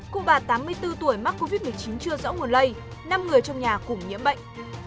cụ bà tám mươi bốn tuổi mắc covid một mươi chín chưa rõ nguồn lây năm người trong nhà cùng nhiễm bệnh